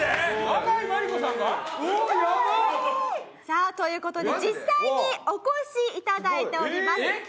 さあという事で実際にお越しいただいております。